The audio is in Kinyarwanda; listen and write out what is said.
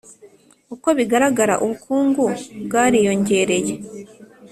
uko bigaragara ubukungu bwariyongereye